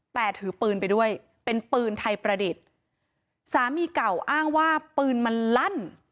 แต่ถือปืนไปด้วยเป็นปืนไทยประดิษฐ์สามีเก่าอ้างว่าปืนมันลั่น